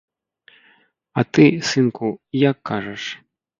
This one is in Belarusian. А ты, сынку, як кажаш?